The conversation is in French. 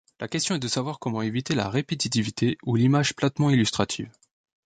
La question est de savoir comment éviter la répétitivité ou l’image platement illustrative.